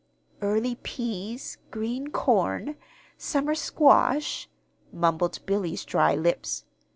"Early peas ... green corn ... summer squash ..." mumbled Billy's dry lips.